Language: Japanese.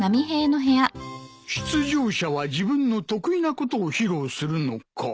出場者は自分の得意なことを披露するのか。